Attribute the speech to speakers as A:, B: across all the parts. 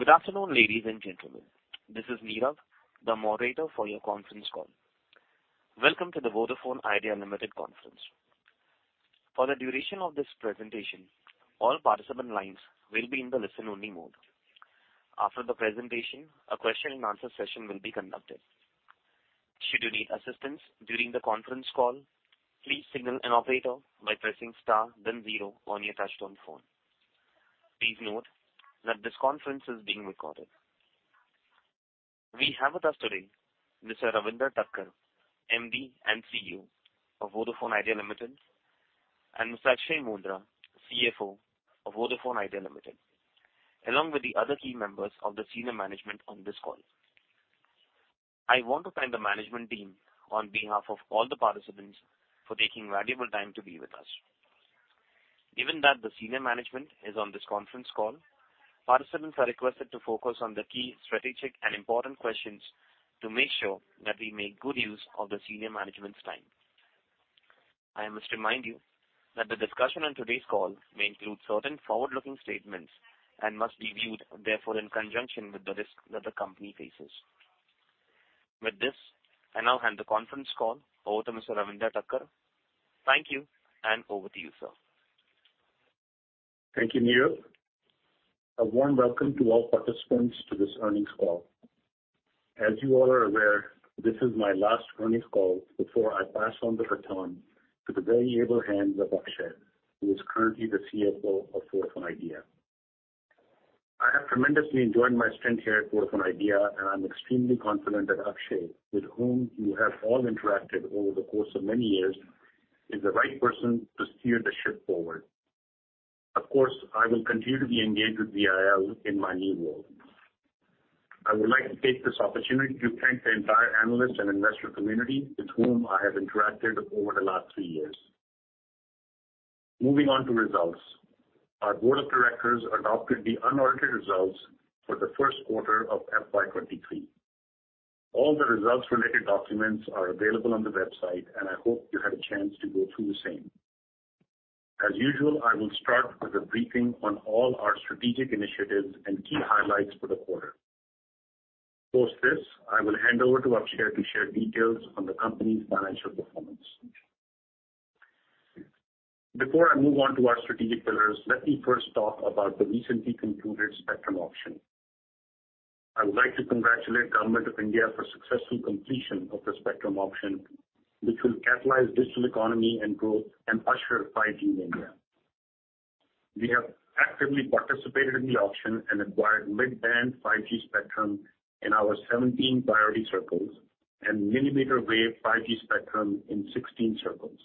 A: Good afternoon, ladies and gentlemen. This is Neerav, the moderator for your conference call. Welcome to the Vodafone Idea Limited conference. For the duration of this presentation, all participant lines will be in the listen-only mode. After the presentation, a Q&A session will be conducted. Should you need assistance during the conference call, please signal an operator by pressing star then zero on your touchtone phone. Please note that this conference is being recorded. We have with us today Mr. Ravinder Takkar, MD and CEO of Vodafone Idea Limited, and Mr. Akshaya Moondra, CFO of Vodafone Idea Limited, along with the other key members of the senior management on this call. I want to thank the management team on behalf of all the participants for taking valuable time to be with us. Given that the senior management is on this conference call, participants are requested to focus on the key strategic and important questions to make sure that we make good use of the senior management's time. I must remind you that the discussion on today's call may include certain forward-looking statements and must be viewed, therefore, in conjunction with the risks that the company faces. With this, I now hand the conference call over to Mr. Ravinder Takkar. Thank you, and over to you, sir.
B: Thank you, Neerav. A warm welcome to all participants to this earnings call. As you all are aware, this is my last earnings call before I pass on the baton to the very able hands of Akshaya, who is currently the CFO of Vodafone Idea. I have tremendously enjoyed my stint here at Vodafone Idea, and I'm extremely confident that Akshaya, with whom you have all interacted over the course of many years, is the right person to steer the ship forward. Of course, I will continue to be engaged with VIL in my new role. I would like to take this opportunity to thank the entire analyst and investor community with whom I have interacted over the last three years. Moving on to board of directors adopted the unaudited results for the first quarter of FY 2023. All the results-related documents are available on the website, and I hope you had a chance to go through the same. As usual, I will start with a briefing on all our strategic initiatives and key highlights for the quarter. Post this, I will hand over to Akshaya to share details on the company's financial performance. Before I move on to our strategic pillars, let me first talk about the recently concluded spectrum auction. I would like to congratulate Government of India for successful completion of the spectrum auction, which will catalyze digital economy and growth and usher 5G in India. We have actively participated in the auction and acquired mid-band 5G spectrum in our 17 priority circles and mmWave 5G spectrum in 16 circles.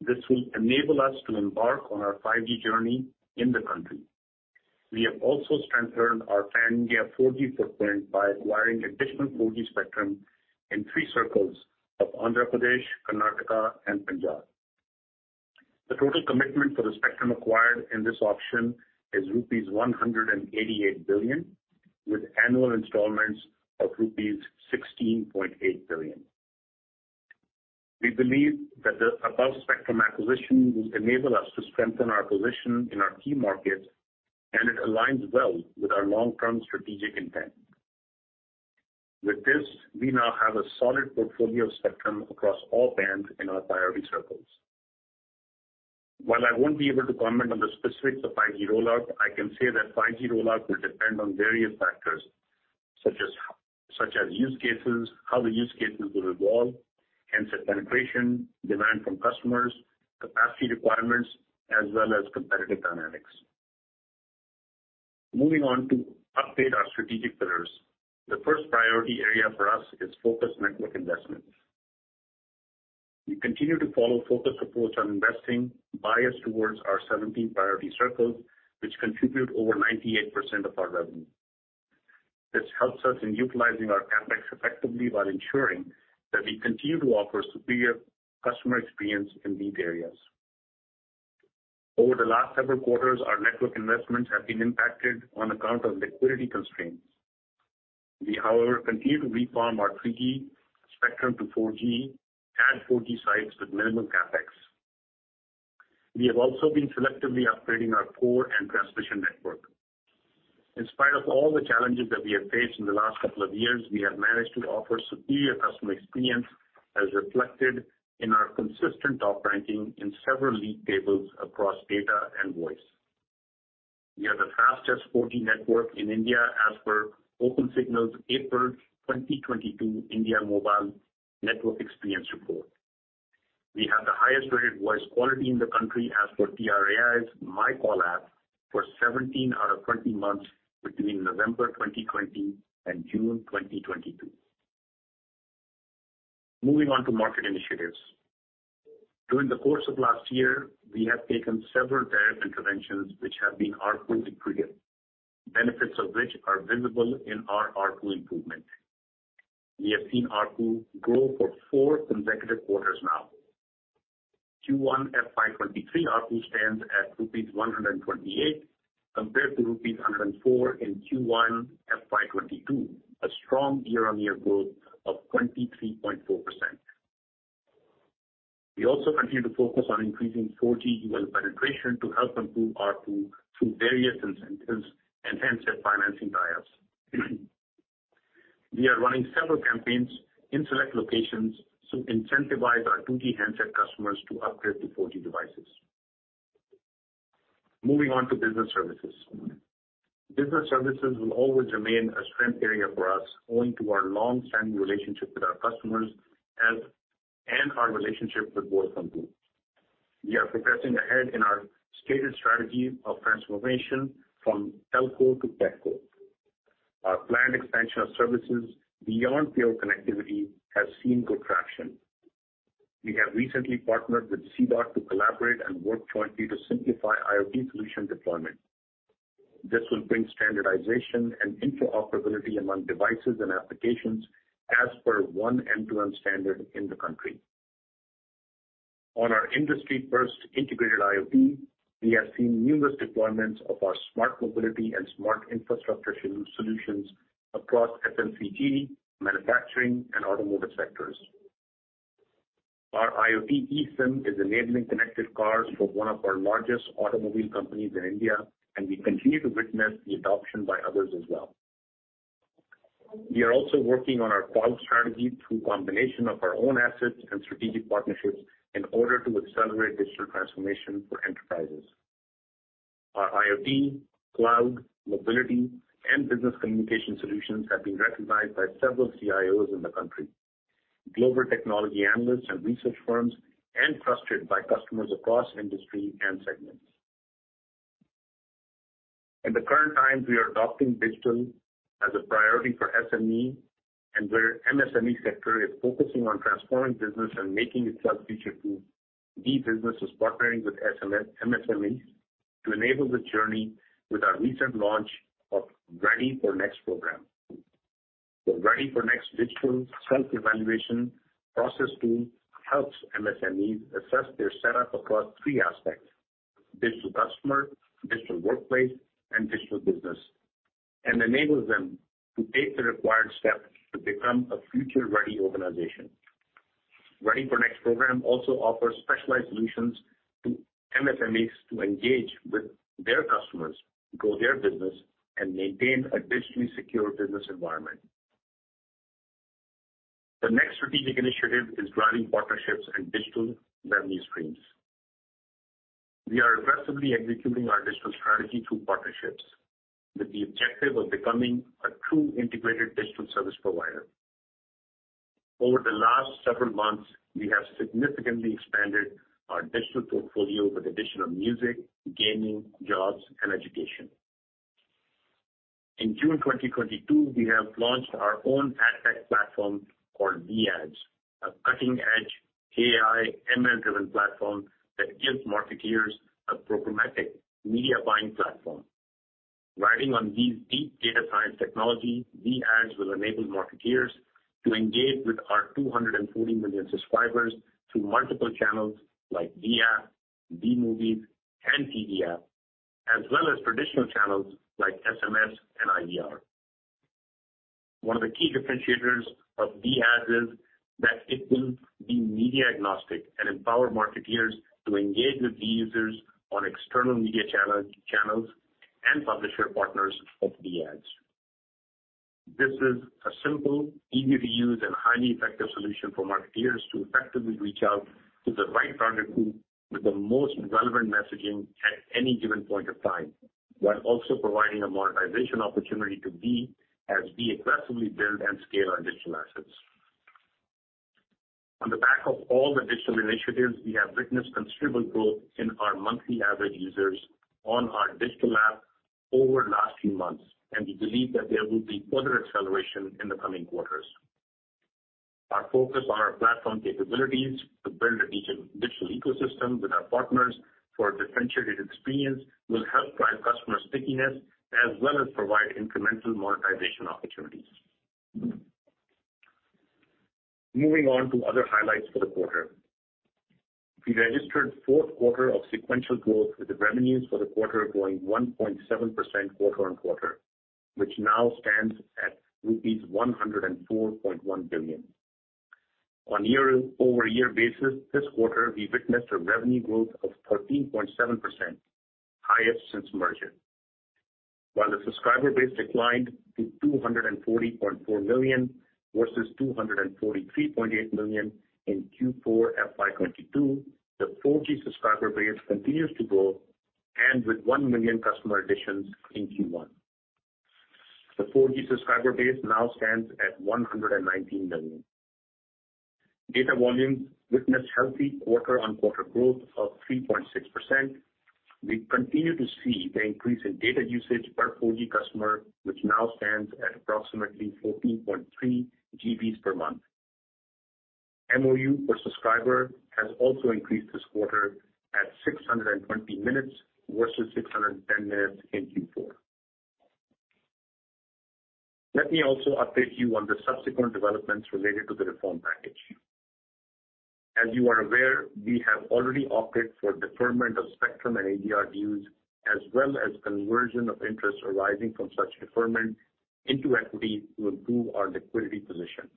B: This will enable us to embark on our 5G journey in the country. We have also strengthened our pan-India 4G footprint by acquiring additional 4G spectrum in three circles of Andhra Pradesh, Karnataka, and Punjab. The total commitment for the spectrum acquired in this auction is rupees 188 billion, with annual installments of rupees 16.8 billion. We believe that the above spectrum acquisition will enable us to strengthen our position in our key markets, and it aligns well with our long-term strategic intent. With this, we now have a solid portfolio of spectrum across all bands in our priority circles. While I won't be able to comment on the specifics of 5G rollout, I can say that 5G rollout will depend on various factors, such as use cases, how the use cases will evolve, handset penetration, demand from customers, capacity requirements, as well as competitive dynamics. Moving on to update our strategic pillars. The first priority area for us is focused network investment. We continue to follow a focused approach on investing bias towards our 17 priority circles, which contribute over 98% of our revenue. This helps us in utilizing our CapEx effectively while ensuring that we continue to offer superior customer experience in these areas. Over the last several quarters, our network investments have been impacted on account of liquidity constraints. We, however, continue to reform our 3G spectrum to 4G, add 4G sites with minimum CapEx. We have also been selectively upgrading our core and transmission network. In spite of all the challenges that we have faced in the last couple of years, we have managed to offer superior customer experience, as reflected in our consistent top ranking in several league tables across data and voice. We have the fastest 4G network in India as per Opensignal's April 2022 India Mobile Network Experience report. We have the highest-rated voice quality in the country as per TRAI's MyCall app for 17 out of 20 months between November 2020 and June 2022. Moving on to market initiatives. During the course of last year, we have taken several tariff interventions which have been ARPU-accretive, benefits of which are visible in our ARPU improvement. We have seen ARPU grow for four consecutive quarters now. Q1 FY 2023 ARPU stands at rupees 128 compared to rupees 104 in Q1 FY 2022, a strong year-on-year growth of 23.4%. We also continue to focus on increasing 4G/UL penetration to help improve ARPU through various incentives and handset financing tie-ups. We are running several campaigns in select locations to incentivize our 2G handset customers to upgrade to 4G devices. Moving on to business services. Business services will always remain a strength area for us owing to our long-standing relationship with our customers and our relationship with Vodafone. We are progressing ahead in our stated strategy of transformation from telco to tech co. Our planned expansion of services beyond pure connectivity has seen good traction. We have recently partnered with C-DOT to collaborate and work jointly to simplify IoT solution deployment. This will bring standardization and interoperability among devices and applications as per one M2M standard in the country. On our industry-first integrated IoT, we have seen numerous deployments of our smart mobility and smart infrastructure solutions across FMCG, manufacturing, and automotive sectors. Our IoT eSIM is enabling connected cars for one of our largest automobile companies in India, and we continue to witness the adoption by others as well. We are also working on our cloud strategy through combination of our own assets and strategic partnerships in order to accelerate digital transformation for enterprises. Our IoT, cloud, mobility, and business communication solutions have been recognized by several CIOs in the country, global technology analysts and research firms, and trusted by customers across industry and segments. In the current times, we are adopting digital as a priority for SME and where MSME sector is focusing on transforming business and making itself future-proof. These businesses partnering with SMEs - MSMEs to enable the journey with our recent launch of ReadyForNext program. The ReadyForNext digital self-evaluation process tool helps MSMEs assess their setup across three aspects: digital customer, digital workplace, and digital business. Enables them to take the required steps to become a future-ready organization. ReadyForNext program also offers specialized solutions to MSMEs to engage with their customers, grow their business, and maintain a digitally secure business environment. The next strategic initiative is driving partnerships and digital revenue streams. We are aggressively executing our digital strategy through partnerships with the objective of becoming a true integrated digital service provider. Over the last several months, we have significantly expanded our digital portfolio with additional music, gaming, jobs, and education. In June 2022, we have launched our own ad tech platform called Vi Ads, a cutting-edge AI, ML-driven platform that gives marketeers a programmatic media buying platform. Riding on these deep data science technology, Vi Ads will enable marketers to engage with our 240 million subscribers through multiple channels like Vi App, Vi Movies & TV app, as well as traditional channels like SMS and IVR. One of the key differentiators of Vi Ads is that it will be media-agnostic and empower marketers to engage with Vi users on external media channels and publisher partners of Vi Ads. This is a simple, easy-to-use, and highly effective solution for marketers to effectively reach out to the right target group with the most relevant messaging at any given point of time, while also providing a monetization opportunity to Vi as we aggressively build and scale our digital assets. On the back of all the digital initiatives, we have witnessed considerable growth in our monthly average users on our digital app over last few months, and we believe that there will be further acceleration in the coming quarters. Our focus on our platform capabilities to build a digital ecosystem with our partners for a differentiated experience will help drive customer stickiness as well as provide incremental monetization opportunities. Moving on to other highlights for the quarter. We registered fourth quarter of sequential growth, with the revenues for the quarter growing 1.7% quarter-on-quarter, which now stands at rupees 104.1 billion. On year-over-year basis, this quarter, we witnessed a revenue growth of 13.7%, highest since merger. While the subscriber base declined to 240.4 million versus 243.8 million in Q4 FY 2022, the 4G subscriber base continues to grow and with 1 million customer additions in Q1. The 4G subscriber base now stands at 119 million. Data volumes witnessed healthy quarter-on-quarter growth of 3.6%. We continue to see the increase in data usage per 4G customer, which now stands at approximately 14.3 GB per month. MoU per subscriber has also increased this quarter at 620 minutes versus 610 minutes in Q4. Let me also update you on the subsequent developments related to the reform package. As you are aware, we have already opted for deferment of spectrum and AGR dues as well as conversion of interest arising from such deferment into equity to improve our liquidity position.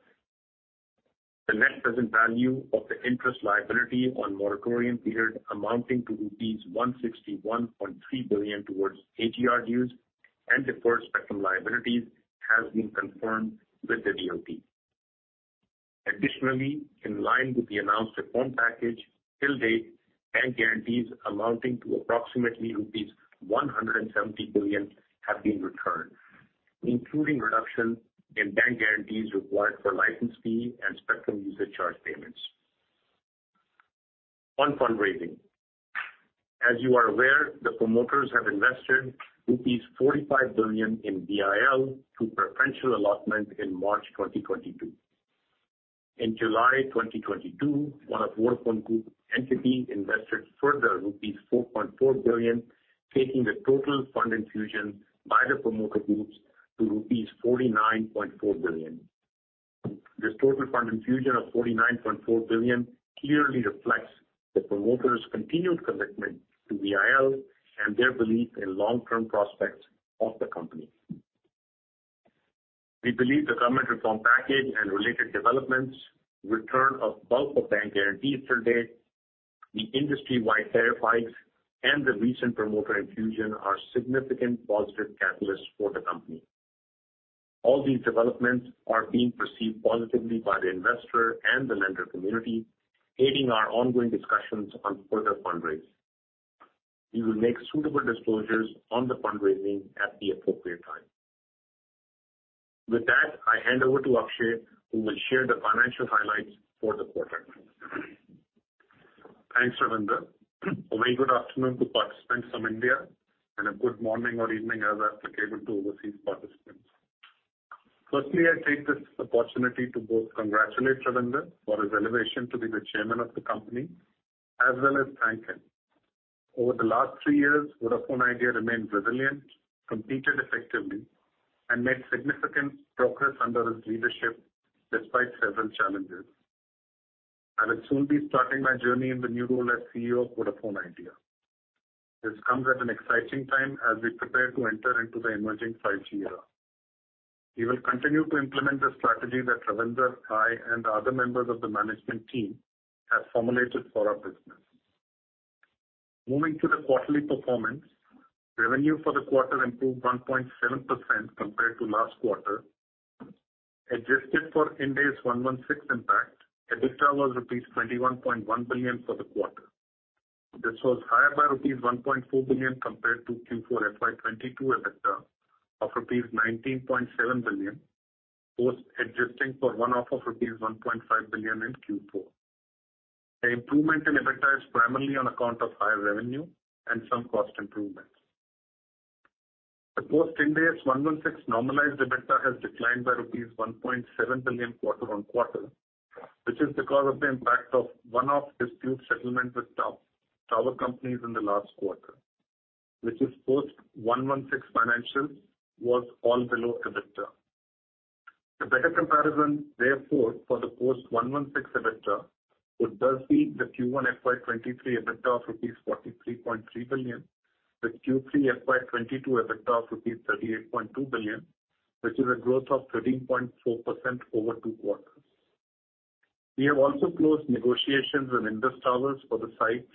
B: The net present value of the interest liability on moratorium period amounting to rupees 161.3 billion towards AGR dues and deferred spectrum liabilities has been confirmed with the DoT. Additionally, in line with the announced reform package, till date, bank guarantees amounting to approximately rupees 170 billion have been returned, including reduction in bank guarantees required for license fee and spectrum usage charge payments. On fundraising, as you are aware, the promoters have invested rupees 45 billion in VIL through preferential allotment in March 2022. In July 2022, one of Vodafone Group entity invested further rupees 4.4 billion, taking the total fund infusion by the promoter groups to rupees 49.4 billion. This total fund infusion of 49.4 billion clearly reflects the promoters' continued commitment to VIL and their belief in long-term prospects of the company. We believe the government reform package and related developments, return of bulk of bank guarantees till date, the industry-wide tariff hikes, and the recent promoter infusion are significant positive catalysts for the company. All these developments are being perceived positively by the investor and the lender community, aiding our ongoing discussions on further fundraise. We will make suitable disclosures on the fundraising at the appropriate time. With that, I hand over to Akshaya, who will share the financial highlights for the quarter.
C: Thanks, Ravinder. A very good afternoon to participants from India and a good morning or evening, as applicable, to overseas participants. Firstly, I take this opportunity to both congratulate Ravinder for his elevation to be the chairman of the company, as well as thank him. Over the last three years, Vodafone Idea remained resilient, competed effectively, and made significant progress under his leadership despite several challenges. I will soon be starting my journey in the new role as CEO of Vodafone Idea. This comes at an exciting time as we prepare to enter into the emerging 5G era. We will continue to implement the strategy that Ravinder, I, and other members of the management team have formulated for our business. Moving to the quarterly performance, revenue for the quarter improved 1.7% compared to last quarter. Adjusted for Ind AS 116 impact, EBITDA was rupees 21.1 billion for the quarter. This was higher by rupees 1.4 billion compared to Q4 FY 2022 EBITDA of rupees 19.7 billion, post-adjusting for one-off of rupees 1.5 billion in Q4. The improvement in EBITDA is primarily on account of higher revenue and some cost improvements. The post-Ind AS 116 normalized EBITDA has declined by rupees 1.7 billion quarter-over-quarter, which is because of the impact of one-off dispute settlement with two tower companies in the last quarter, which is post Ind AS 116 financials was all below EBITDA. The better comparison, therefore, for the post Ind AS 116 EBITDA would thus be the Q1 FY 2023 EBITDA of rupees 43.3 billion with Q3 FY 2022 EBITDA of rupees 38.2 billion, which is a growth of 13.4% over two quarters. We have also closed negotiations with Indus Towers for the sites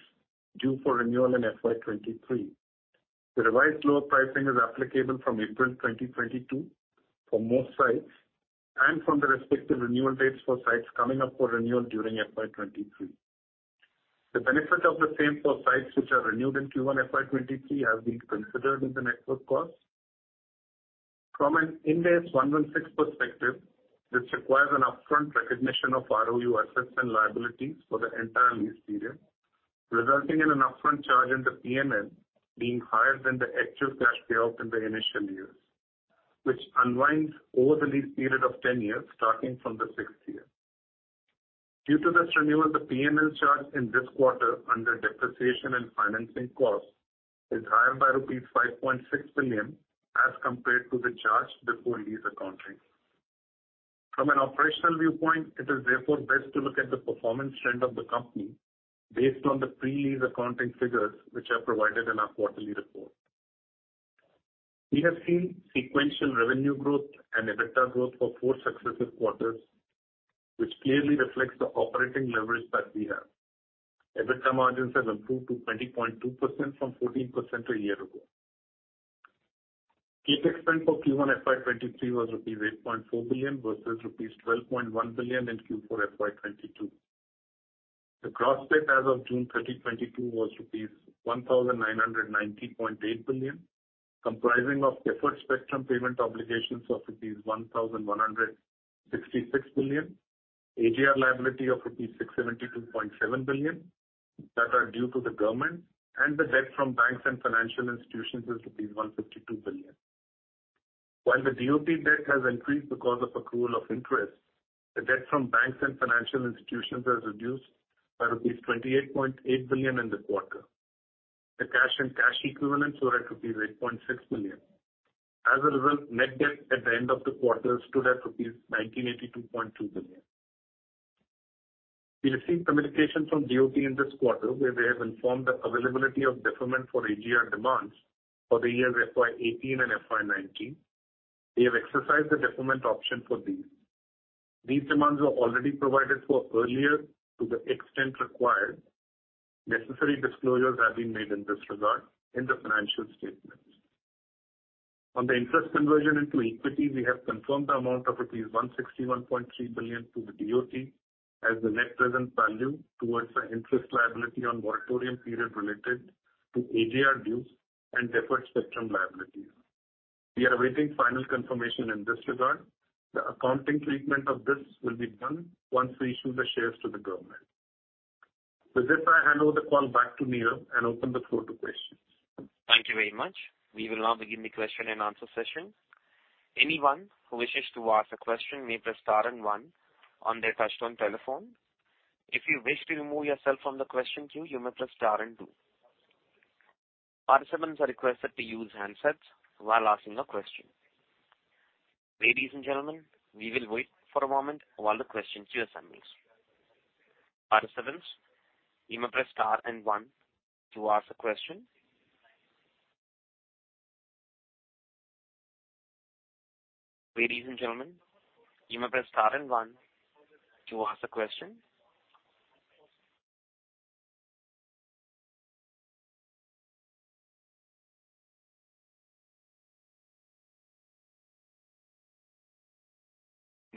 C: due for renewal in FY 2023. The revised lower pricing is applicable from April 2022 for most sites and from the respective renewal dates for sites coming up for renewal during FY 2023. The benefit of the same for sites which are renewed in Q1 FY 2023 have been considered in the network costs. From an Ind AS 116 perspective, this requires an upfront recognition of ROU assets and liabilities for the entire lease period, resulting in an upfront charge in the P&L being higher than the actual cash payout in the initial years, which unwinds over the lease period of 10 years, starting from the sixth year. Due to this renewal, the P&L charge in this quarter under depreciation and financing costs is higher by rupees 5.6 billion as compared to the charge before lease accounting. From an operational viewpoint, it is therefore best to look at the performance trend of the company based on the pre-lease accounting figures which are provided in our quarterly report. We have seen sequential revenue growth and EBITDA growth for 4 successive quarters, which clearly reflects the operating leverage that we have. EBITDA margins have improved to 20.2% from 14% a year ago. CapEx spend for Q1 FY 2023 was rupees 8.4 billion versus rupees 12.1 billion in Q4 FY 2022. The gross debt as of June 30, 2022 was rupees 1,990.8 billion, comprising of deferred spectrum payment obligations of rupees 1,166 billion, AGR liability of rupees 672.7 billion that are due to the government, and the debt from banks and financial institutions is rupees 152 billion. While the DoT debt has increased because of accrual of interest, the debt from banks and financial institutions has reduced by rupees 28.8 billion in the quarter. The cash and cash equivalents were at rupees 8.6 billion. As a result, net debt at the end of the quarter stood at rupees 1,982.2 billion. We received communication from DoT in this quarter, where they have informed the availability of deferment for AGR demands for the years FY 2018 and FY 2019. We have exercised the deferment option for these. These demands were already provided for earlier to the extent required. Necessary disclosures have been made in this regard in the financial statements. On the interest conversion into equity, we have confirmed the amount of rupees 161.3 billion to the DoT as the net present value towards the interest liability on moratorium period related to AGR dues and deferred spectrum liabilities. We are awaiting final confirmation in this regard. The accounting treatment of this will be done once we issue the shares to the government. With this, I hand over the call back to Neerav and open the floor to questions.
A: Thank you very much. We will now begin the Q&A session. Anyone who wishes to ask a question may press star and one on their touchtone telephone. If you wish to remove yourself from the question queue, you may press star and two. Participants are requested to use handsets while asking a question. Ladies and gentlemen, we will wait for a moment while the question queue forms. Participants, you may press star and one to ask a question. Ladies and gentlemen, you may press star and one to ask a question.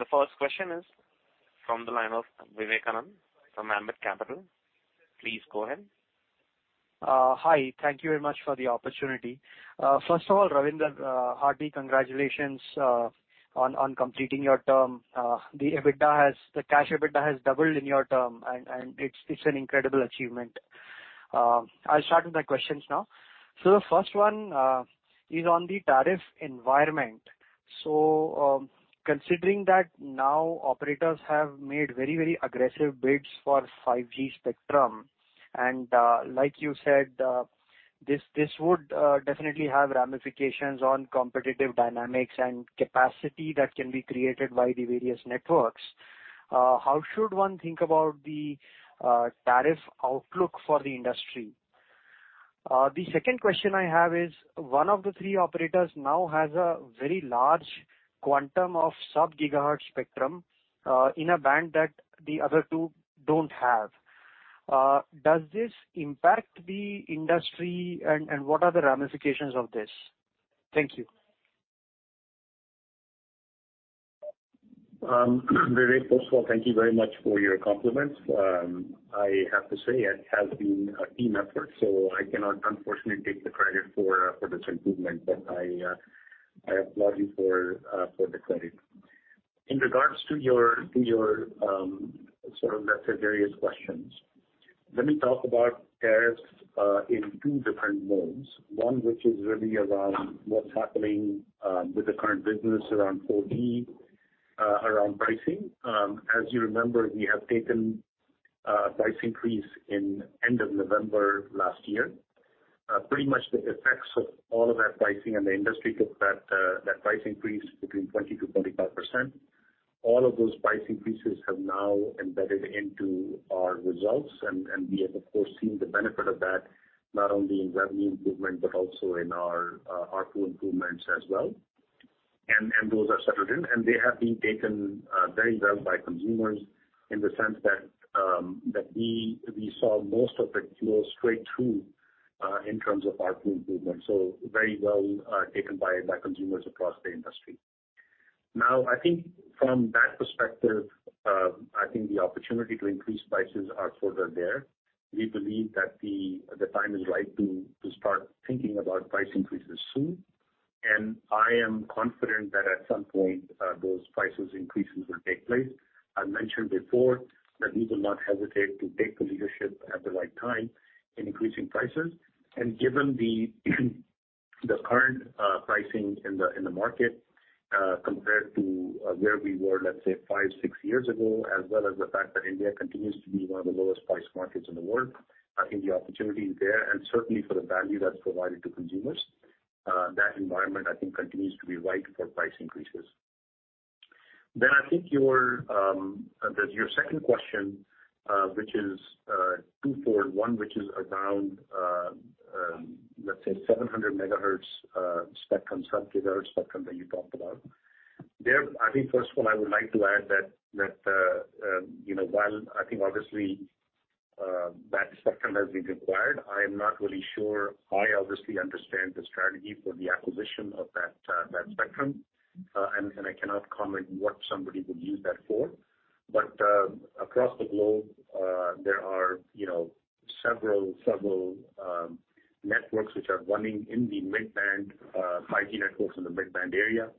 A: The first question is from the line of Vivekanand Subbaraman from Ambit Capital. Please go ahead.
D: Hi. Thank you very much for the opportunity. First of all, Ravinder, hearty congratulations on completing your term. The cash EBITDA has doubled in your term, and it's an incredible achievement. I'll start with my questions now. The first one is on the tariff environment. Considering that now operators have made very aggressive bids for 5G spectrum, and like you said, this would definitely have ramifications on competitive dynamics and capacity that can be created by the various networks. How should one think about the tariff outlook for the industry? The second question I have is, one of the three operators now has a very large quantum of sub-gigahertz spectrum in a band that the other two don't have. Does this impact the industry, and what are the ramifications of this? Thank you.
B: Vivek, first of all, thank you very much for your compliments. I have to say it has been a team effort, so I cannot unfortunately take the credit for this improvement, I applaud you for the credit. In regards to your sort of, let's say, various questions. Let me talk about tariffs in two different modes. One which is really around what's happening with the current business around 4G around pricing. As you remember, we have taken a price increase at the end of November last year. Pretty much the effects of all of that pricing, and the industry took that price increase between 20%-25%. All of those price increases have now embedded into our results, and we have, of course, seen the benefit of that, not only in revenue improvement, but also in our ARPU improvements as well. Those are settled in, and they have been taken very well by consumers in the sense that we saw most of it flow straight through in terms of ARPU improvement. Very well taken by consumers across the industry. Now, I think from that perspective, I think the opportunity to increase prices are further there. We believe that the time is right to start thinking about price increases soon. I am confident that at some point, those price increases will take place. I mentioned before that we will not hesitate to take the leadership at the right time in increasing prices. Given the current pricing in the market compared to where we were, let's say, five, six years ago, as well as the fact that India continues to be one of the lowest priced markets in the world, I think the opportunity is there. Certainly for the value that's provided to consumers, that environment, I think, continues to be right for price increases. I think your second question, which is two-fold. One which is around, let's say, 700 MHz spectrum, sub-gigahertz spectrum that you talked about. I think first of all, I would like to add that, you know, while I think obviously, that spectrum has been acquired, I am not really sure I obviously understand the strategy for the acquisition of that spectrum. I cannot comment what somebody would use that for. Across the globe, there are, you know, several networks which are running in the mid-band 5G networks in the mid-band area.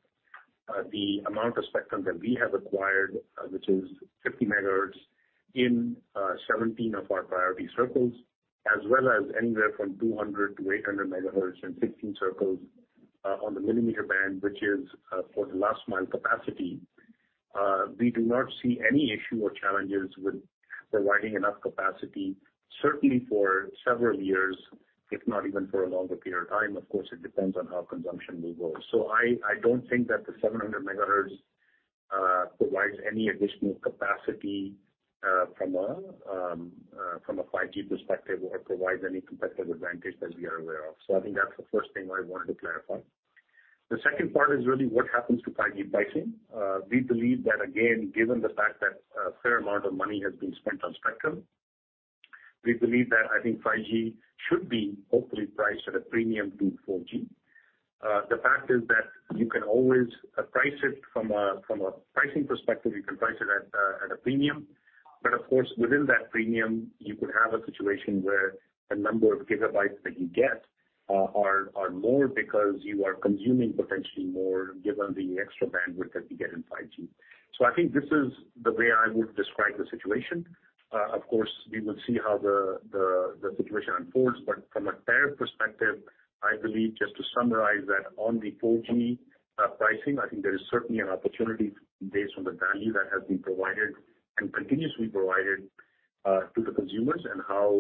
B: The amount of spectrum that we have acquired, which is 50 MHz in 17 of our priority circles, as well as anywhere from 200-800 MHz in 15 circles, on the millimeter band, which is for the last mile capacity. We do not see any issue or challenges with providing enough capacity, certainly for several years. If not even for a longer period of time. Of course, it depends on how consumption will go. I don't think that the 700 MHz provides any additional capacity from a 5G perspective or provides any competitive advantage that we are aware of. I think that's the first thing I wanted to clarify. The second part is really what happens to 5G pricing. We believe that again, given the fact that a fair amount of money has been spent on spectrum, we believe that I think 5G should be hopefully priced at a premium to 4G. The fact is that you can always price it from a pricing perspective, you can price it at a premium. Of course, within that premium, you could have a situation where the number of gigabytes that you get are more because you are consuming potentially more given the extra bandwidth that you get in 5G. I think this is the way I would describe the situation. Of course, we will see how the situation unfolds. From a tariff perspective, I believe just to summarize that on the 4G pricing, I think there is certainly an opportunity based on the value that has been provided and continuously provided to the consumers and how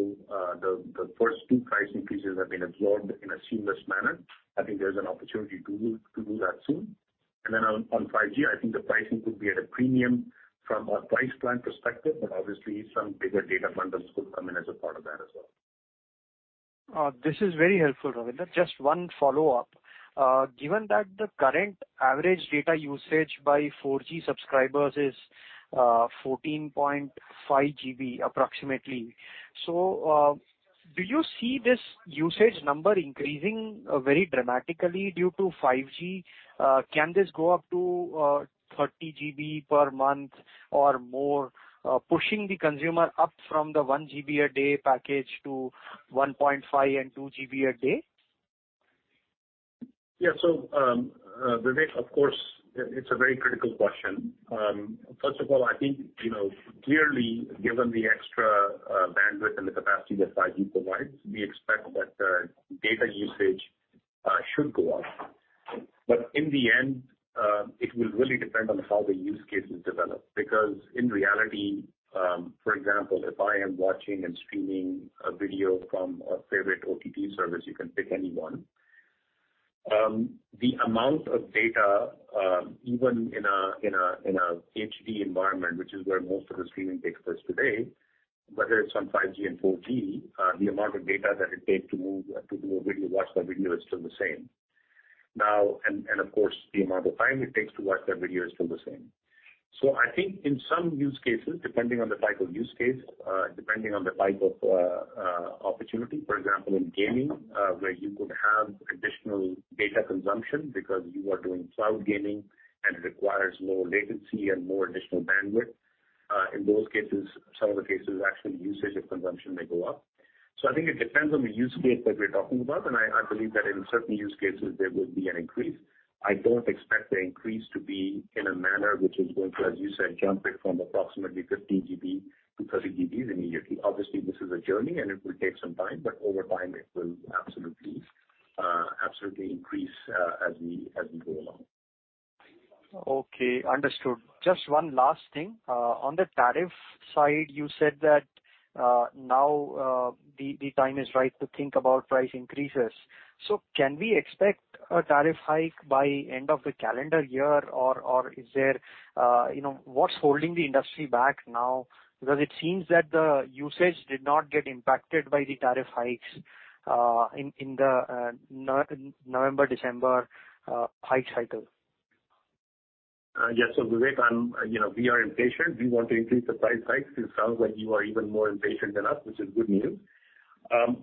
B: the first two price increases have been absorbed in a seamless manner. I think there's an opportunity to do that soon. On 5G, I think the pricing could be at a premium from a price plan perspective, but obviously some bigger data bundles could come in as a part of that as well.
D: This is very helpful, Ravinder. Just one follow-up. Given that the current average data usage by 4G subscribers is 14.5 GB approximately. Do you see this usage number increasing very dramatically due to 5G? Can this go up to 30 GB per month or more, pushing the consumer up from the 1 GB a day package to 1.5 and 2 GB a day?
B: Yeah. Vivek, of course, it's a very critical question. First of all, I think, you know, clearly, given the extra bandwidth and the capacity that 5G provides, we expect that data usage should go up. But in the end, it will really depend on how the use cases develop. Because in reality, for example, if I am watching and streaming a video from a favorite OTT service, you can pick any one. The amount of data even in a HD environment, which is where most of the streaming takes place today, whether it's on 5G and 4G, the amount of data that it takes to move to do a video, watch that video is still the same. Of course, the amount of time it takes to watch that video is still the same. I think in some use cases, depending on the type of use case, depending on the type of opportunity, for example, in gaming, where you could have additional data consumption because you are doing cloud gaming and it requires more latency and more additional bandwidth. In those cases, some of the cases actually usage of consumption may go up. I think it depends on the use case that we're talking about, and I believe that in certain use cases there will be an increase. I don't expect the increase to be in a manner which is going to, as you said, jumping from approximately 15 GB to 30 GB immediately. Obviously, this is a journey and it will take some time, but over time it will absolutely increase, as we go along.
D: Okay, understood. Just one last thing. On the tariff side, you said that now the time is right to think about price increases. Can we expect a tariff hike by end of the calendar year or is there, you know, what's holding the industry back now? Because it seems that the usage did not get impacted by the tariff hikes in the November, December hike cycle.
B: Yes. Vivek, you know, we are impatient. We want to increase the price hikes. It sounds like you are even more impatient than us, which is good news.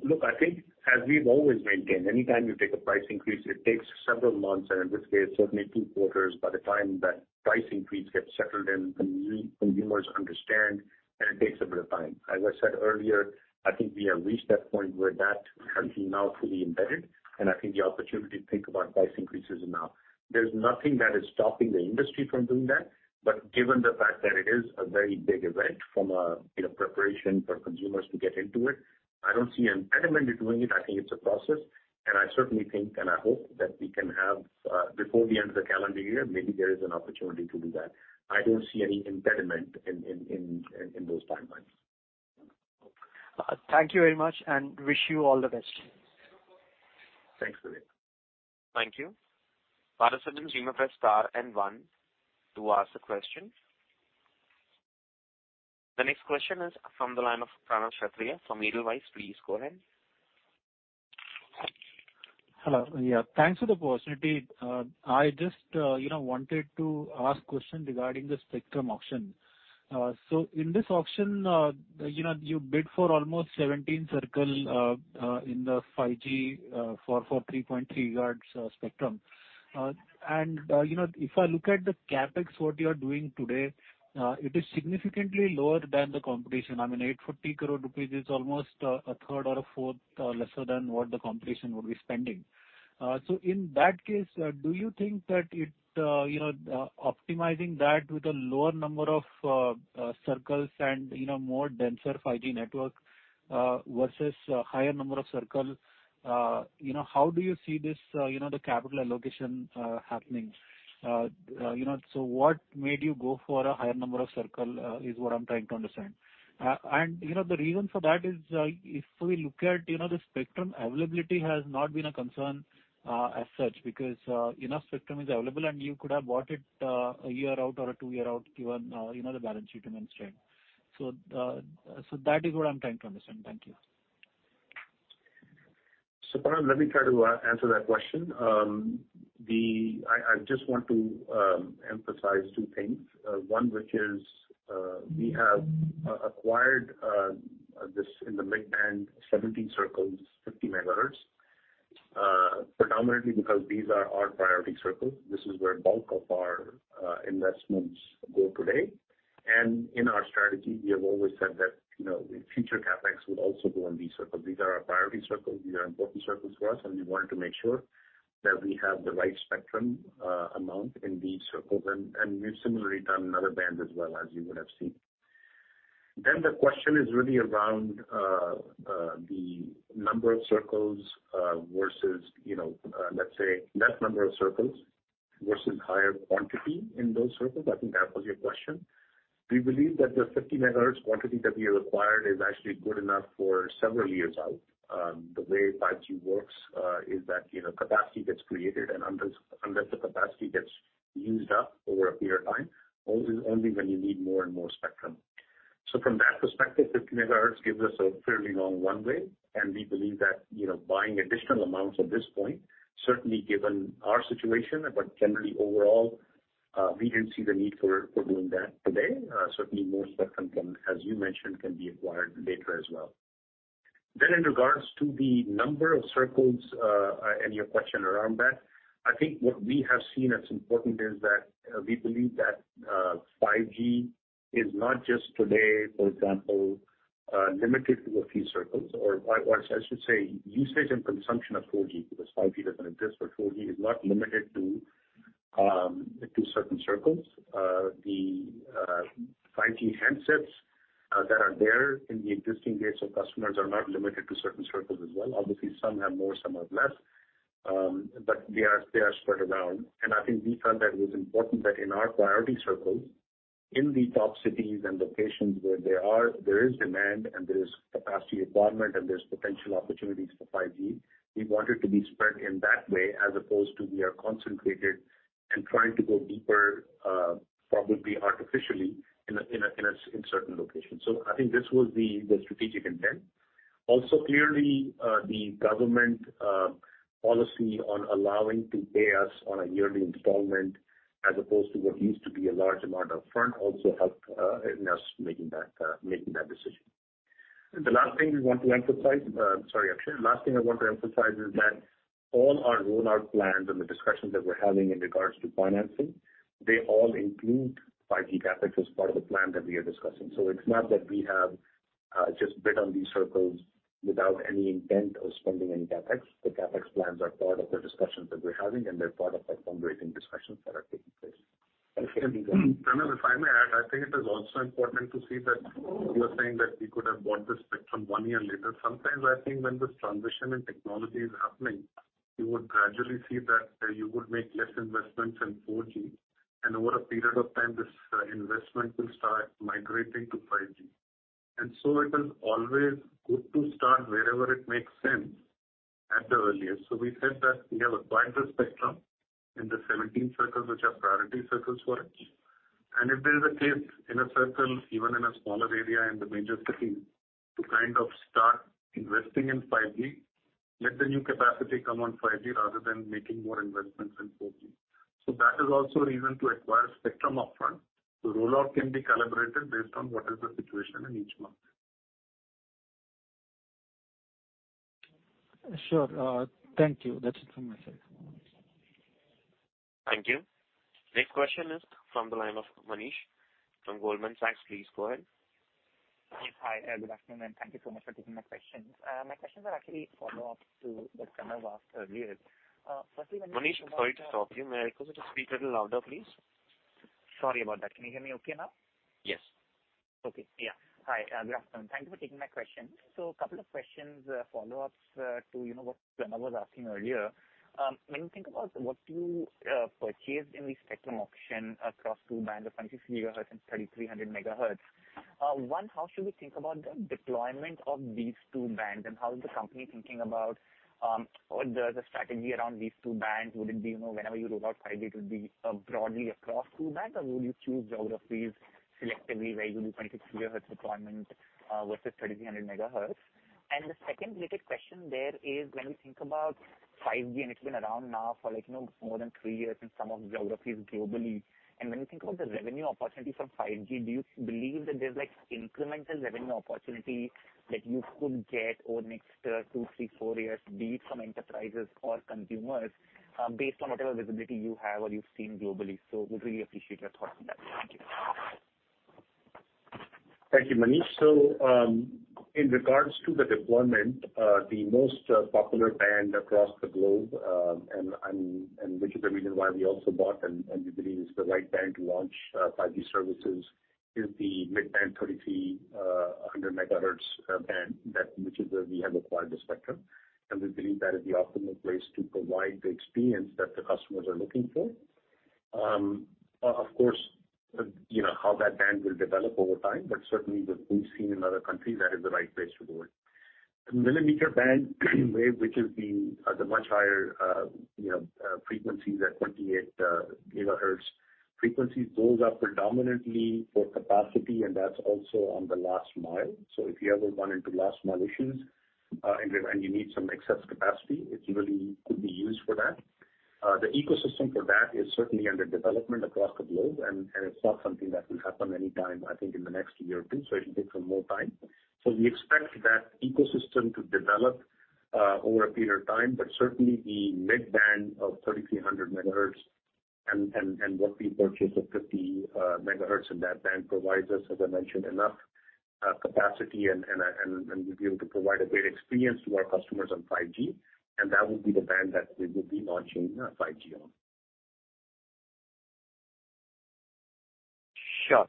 B: Look, I think as we've always maintained, anytime you take a price increase, it takes several months, and in this case, certainly two quarters by the time that price increase gets settled and consumers understand, and it takes a bit of time. As I said earlier, I think we have reached that point where that has been now fully embedded, and I think the opportunity to think about price increases is now. There's nothing that is stopping the industry from doing that. Given the fact that it is a very big event from a, you know, preparation for consumers to get into it, I don't see an impediment to doing it. I think it's a process, and I certainly think and I hope that we can have, before the end of the calendar year, maybe there is an opportunity to do that. I don't see any impediment in those timelines.
D: Thank you very much, and wish you all the best.
B: Thanks, Vivek.
A: Thank you. Participants, you may press star and one to ask a question. The next question is from the line of Pranav Kshatriya from Edelweiss. Please go ahead.
E: Hello. Yeah, thanks for the opportunity. I just you know wanted to ask question regarding the spectrum auction. In this auction, you know, you bid for almost 17 circles in the 5G for 3.3 GHz spectrum. You know, if I look at the CapEx what you're doing today, it is significantly lower than the competition- I mean, 840 crore rupees is almost a third or a fourth lesser than what the competition would be spending. In that case, do you think that it you know optimizing that with a lower number of circles and you know more denser 5G network versus a higher number of circles you know how do you see this you know the capital allocation happening? You know, what made you go for a higher number of circles is what I'm trying to understand. You know, the reason for that is, if we look at, you know, the spectrum availability has not been a concern, as such, because enough spectrum is available, and you could have bought it a year out or a two year out, given, you know, the balance sheet and strength. So that is what I'm trying to understand. Thank you.
B: I just want to emphasize two things. One, which is, we have acquired this in the mid-band 70 circles, 50 MHz, predominantly because these are our priority circles. This is where bulk of our investments go today. In our strategy, we have always said that, you know, future CapEx would also go in these circles. These are our priority circles. These are important circles for us, and we wanted to make sure that we have the right spectrum amount in these circles. We've similarly done another band as well, as you would have seen. The question is really around the number of circles versus, you know, let's say less number of circles versus higher quantity in those circles- I think that was your question. We believe that the 50 MHz quantity that we have acquired is actually good enough for several years out. The way 5G works is that, you know, capacity gets created and unless the capacity gets used up over a period of time, only when you need more and more spectrum. From that perspective, 50 MHz gives us a fairly long runway, and we believe that, you know, buying additional amounts at this point, certainly given our situation, but generally overall, we didn't see the need for doing that today. Certainly more spectrum can, as you mentioned, be acquired later as well. In regards to the number of circles and your question around that, I think what we have seen that's important is that we believe that 5G is not just today, for example, limited to a few circles, usage and consumption of 4G, because 5G doesn't exist, but 4G is not limited to certain circles. The 5G handsets that are there in the existing base of customers are not limited to certain circles as well. Obviously, some have more, some have less. But they are spread around. I think we found that it was important that in our priority circles, in the top cities and locations where there is demand and there is capacity requirement and there's potential opportunities for 5G, we want it to be spread in that way as opposed to we are concentrated and trying to go deeper, probably artificially in certain locations. I think this was the strategic intent. Also, clearly, the government policy on allowing us to pay on a yearly installment as opposed to what used to be a large amount upfront also helped in us making that decision. The last thing we want to emphasize- sorry, Akshaya- last thing I want to emphasize is that all our rollout plans and the discussions that we're having in regards to financing, they all include 5G CapEx as part of the plan that we are discussing. It's not that we have just bid on these circles without any intent of spending any CapEx. The CapEx plans are part of the discussions that we're having, and they're part of the fundraising discussions that are taking place.
C: Pranav, if I may add, I think it is also important to see that you are saying that we could have bought the spectrum one year later. Sometimes I think when this transition in technology is happening, you would gradually see that you would make less investments in 4G. Over a period of time, this investment will start migrating to 5G.It is always good to start wherever it makes sense at the earliest. We said that we have acquired the spectrum in the 17 circles, which are priority circles for us. If there is a case in a circle, even in a smaller area, in the major cities, to kind of start investing in 5G, let the new capacity come on 5G rather than making more investments in 4G. That is also a reason to acquire spectrum upfront. The rollout can be calibrated based on what is the situation in each market.
E: Sure. Thank you. That's it from my side.
A: Thank you. Next question is from the line of Manish from Goldman Sachs. Please go ahead.
F: Yes. Hi, good afternoon, and thank you so much for taking my questions. My questions are actually follow-ups to what Pranav Kshatriya asked earlier. Firstly-
A: Manish, sorry to stop you. May I request you to speak a little louder, please.
F: Sorry about that. Can you hear me okay now?
A: Yes.
F: Okay. Yeah. Hi, good afternoon. Thank you for taking my question. A couple of questions, follow-ups, to, you know, what Pranav Kshatriya was asking earlier. When you think about what you purchased in the spectrum auction across two bands of 26 GHz and 3,300 MHz. One, how should we think about the deployment of these two bands, and how is the company thinking about, or the strategy around these two bands? Would it be, you know, whenever you roll out 5G, it would be, broadly across two bands, or will you choose geographies selectively, where you do 26 GHz deployment, versus 3,300 MHz? The second related question there is when we think about 5G, and it's been around now for like, you know, more than three years in some of the geographies globally. When you think about the revenue opportunity from 5G, do you believe that there's like incremental revenue opportunity that you could get over next, two, three, four years, be it from enterprises or consumers, based on whatever visibility you have or you've seen globally? We'd really appreciate your thoughts on that. Thank you.
B: Thank you, Manish. In regards to the deployment, the most popular band across the globe, and which is the reason why we also bought and we believe is the right band to launch 5G services is the mid-band 3,300 MHz band which is where we have acquired the spectrum. We believe that is the optimal place to provide the experience that the customers are looking for. Of course, you know, how that band will develop over time, but certainly what we've seen in other countries, that is the right place to go. Millimeter wave, which is the much higher, you know, frequencies at 28 GHz frequencies. Those are predominantly for capacity, and that's also on the last mile. If you ever run into last mile issues, and you need some excess capacity, it really could be used for that. The ecosystem for that is certainly under development across the globe, and it's not something that will happen anytime, I think, in the next year or two, so it'll take some more time. We expect that ecosystem to develop over a period of time. Certainly the mid-band of 3,300 MHz and what we purchased at 50 MHz in that band provides us, as I mentioned, enough capacity and we'll be able to provide a great experience to our customers on 5G, and that will be the band that we will be launching 5G on.
F: Sure.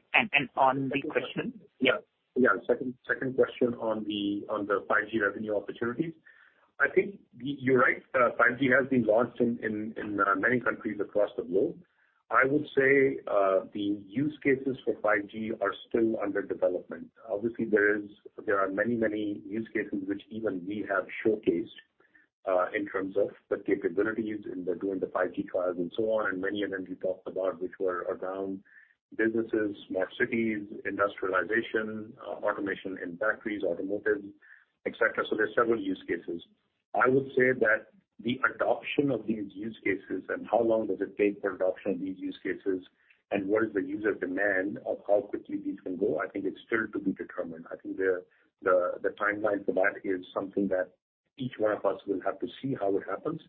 F: On the question.
B: Yeah, second question on the 5G revenue opportunities. I think you're right. 5G has been launched in many countries across the globe. I would say the use cases for 5G are still under development. Obviously, there are many use cases which even we have showcased in terms of the capabilities in doing the 5G trials and so on, and many of them we talked about, which were around businesses, smart cities, industrialization, automation in factories, automotive, et cetera. There are several use cases. I would say that the adoption of these use cases and how long does it take for adoption of these use cases and what is the user demand of how quickly these can go, I think it's still to be determined. I think the timeline for that is something that each one of us will have to see how it happens.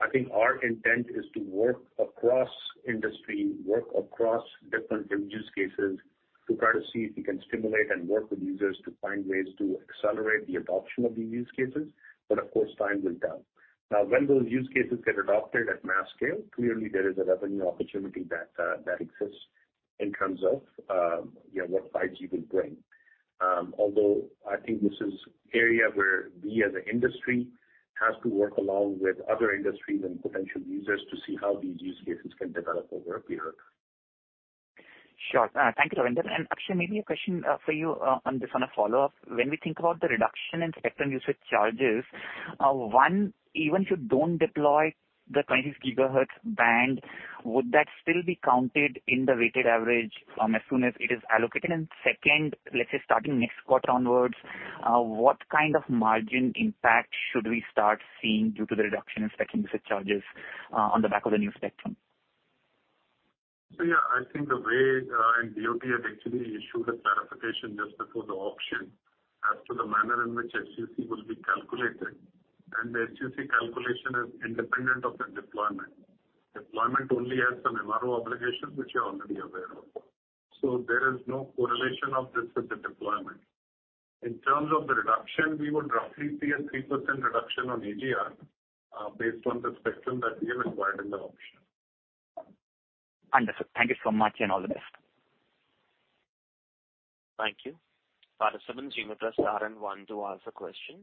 B: I think our intent is to work across industry, work across different end use cases to try to see if we can stimulate and work with users to find ways to accelerate the adoption of these use cases. Of course, time will tell. Now, when those use cases get adopted at mass scale, clearly there is a revenue opportunity that that exists in terms of, you know, what 5G will bring. Although I think this is area where we as an industry has to work along with other industries and potential users to see how these use cases can develop over a period.
F: Sure. Thank you, Ravinder. And Akshaya, maybe a question for you on this one, a follow-up. When we think about the reduction in spectrum usage charges, one, even if you don't deploy the 26 GHz band, would that still be counted in the weighted average as soon as it is allocated? And second, let's say starting next quarter onwards, what kind of margin impact should we start seeing due to the reduction in spectrum usage charges on the back of the new spectrum?
C: Yeah, I think the way and DoT had actually issued a clarification just before the auction as to the manner in which SUC will be calculated, and the SUC calculation is independent of the deployment. Deployment only has some MRO obligations which you're already aware of. There is no correlation of this with the deployment. In terms of the reduction, we would roughly see a 3% reduction on AGR based on the spectrum that we have acquired in the auction.
F: Understood. Thank you so much, and all the best.
A: Thank you. Operator, do you want us to star one to ask a question?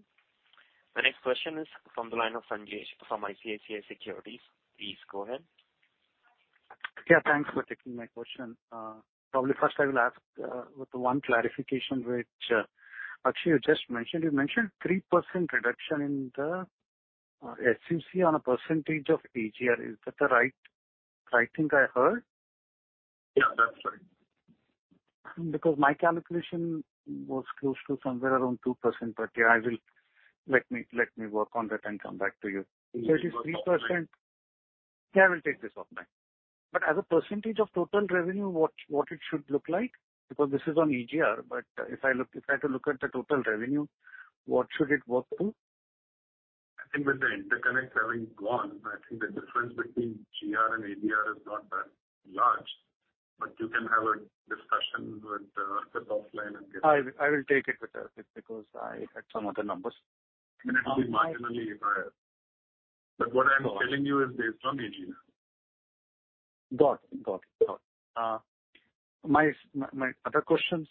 A: The next question is from the line of Sanjesh from ICICI Securities. Please go ahead.
G: Yeah, thanks for taking my question. Probably first I will ask with the one clarification which Akshaya, you just mentioned. You mentioned 3% reduction in the SUC on a percentage of AGR. Is that the right thing I heard?
C: Yeah, that's right.
G: Because my calculation was close to somewhere around 2%. Yeah, let me work on that and come back to you. It is 3%...
B: You can work offline.
G: Yeah, I will take this offline. As a percentage of total revenue, what it should look like? Because this is on AGR, but if I look, if I have to look at the total revenue, what should it work to?
B: I think with the interconnect having gone, I think the difference between GR and ADR is not that large. You can have a discussion with Arpit Gupta offline.
G: I will take it with Arpit Gupta because I had some other numbers.
B: It can be marginally higher. What I'm telling you is based on AGR.
G: Got it. My other questions,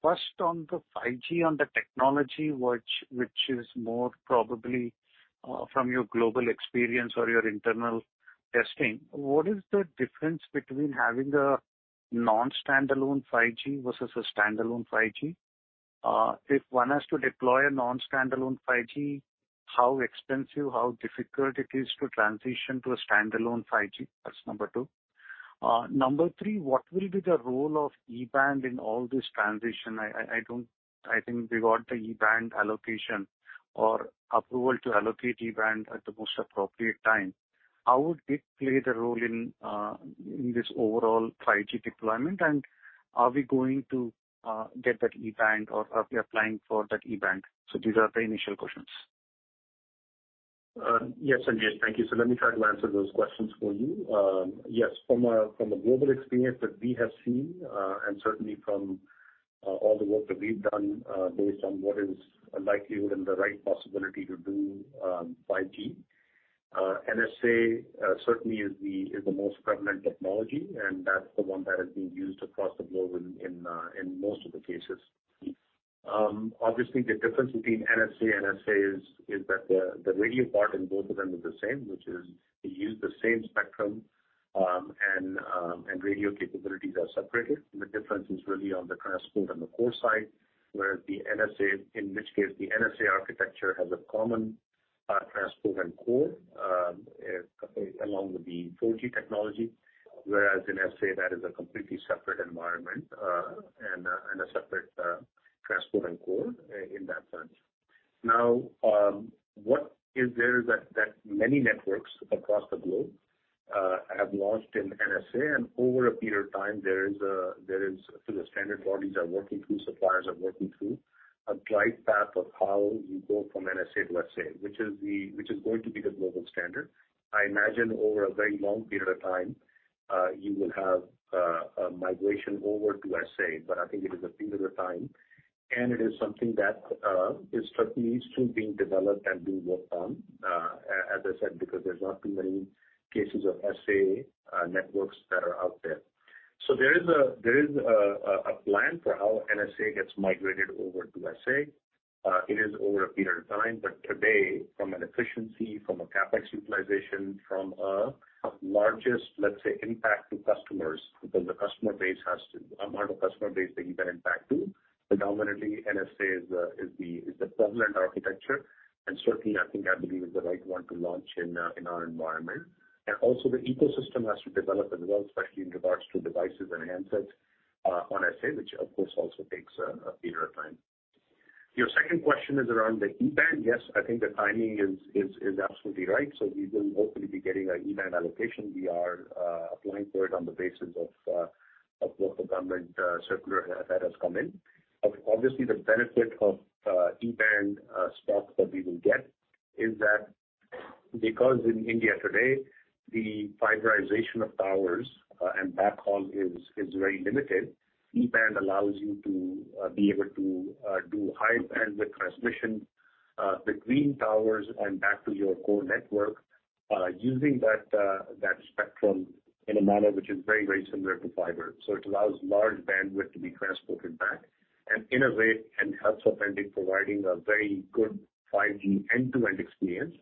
G: first on the 5G, on the technology, which is more probably, from your global experience or your internal testing, what is the difference between having a non-standalone 5G versus a standalone 5G? If one has to deploy a non-standalone 5G, how expensive, how difficult it is to transition to a standalone 5G? That's number two. Number three, what will be the role of E-band in all this transition? I think we got the E-band allocation or approval to allocate E-band at the most appropriate time. How would it play the role in this overall 5G deployment, and are we going to get that E-band or are we applying for that E-band? These are the initial questions.
B: Yes, Sanjay. Thank you. Let me try to answer those questions for you. Yes, from a global experience that we have seen, and certainly from all the work that we've done, based on what is the likelihood and the right possibility to do 5G NSA, certainly is the most prevalent technology, and one that is being used across the globe in most of the cases. Obviously, the difference between NSA and SA is that the radio part in both of them is the same, which is they use the same spectrum, and radio capabilities are separated. The difference is really on the transport and the core side, where the NSA, in which case the NSA architecture has a common transport and core along with the 4G technology. Whereas in SA, that is a completely separate environment, and a separate transport and core in that sense. Now, many networks across the globe have launched in NSA and over a period of time, there is a migration path of how you go from NSA to SA, which the standards bodies are working through, suppliers are working through, which is going to be the global standard. I imagine over a very long period of time, you will have a migration over to SA, but I think it is a period of time, and it is something that is certainly still being developed and being worked on, as I said, because there's not too many cases of SA networks that are out there. There is a plan for how NSA gets migrated over to SA. It is over a period of time, but today from an efficiency, from a CapEx utilization, from a largest, let's say, impact to customers because the customer base has to amount of customer base that you can impact to, predominantly NSA is the prevalent architecture, and certainly I think, I believe, is the right one to launch in our environment. Also the ecosystem has to develop as well, especially in regards to devices and handsets, on SA, which of course also takes a period of time. Your second question is around the E-band. Yes, I think the timing is absolutely right. We will hopefully be getting our E-band allocation. We are applying for it on the basis of what the government circular that has come in. Obviously, the benefit of E-band spots that we will get is that because in India today, the fiberization of towers and backhaul is very limited. E-band allows you to be able to do high bandwidth transmission between towers and back to your core network using that spectrum in a manner which is very, very similar to fiber. It allows large bandwidth to be transported. Backhaul innovation helps in providing a very good 5G end-to-end experience,